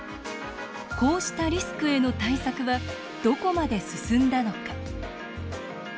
こうしたリスクへの対策はどこまで進んだのか。